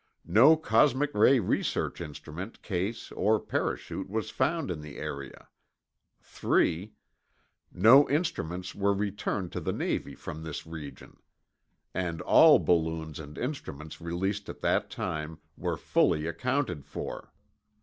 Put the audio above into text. No cosmic ray research instrument case or parachute was found in the area. 3. No instruments were returned to the Navy from this region. And all balloons and instruments released at that time were fully accounted for.